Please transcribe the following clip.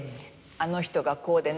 「あの人がこうでね